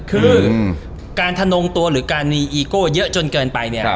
คือการทะนงตัวหรือการมีอีโก้เยอะจนเกินไปเนี่ย